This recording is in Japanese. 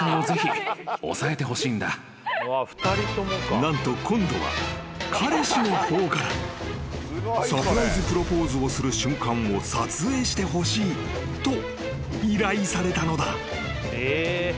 ［何と今度は彼氏の方からサプライズプロポーズをする瞬間を撮影してほしいと依頼されたのだ］